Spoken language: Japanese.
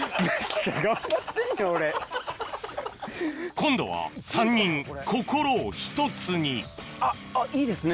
今度は３人心を１つにあっいいですね